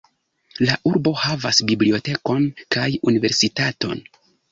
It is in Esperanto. La urbo havas bibliotekon kaj universitaton.